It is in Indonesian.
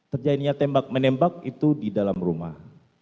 terjadinya tembak menembak itu di dalam rumah